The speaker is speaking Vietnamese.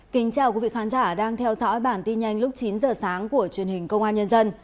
kính chào quý vị khán giả đang theo dõi bản tin nhanh lúc chín giờ sáng của truyền hình công an nhân dân